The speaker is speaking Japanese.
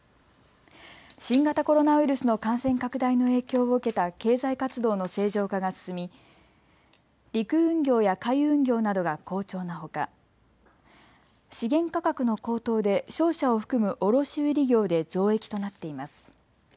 新型コロナウイルスの感染拡大の影響を受けた経済活動の正常化が進み陸運業や海運業などが好調なほか、資源価格の高騰で商社を含む卸売業で増益となっています。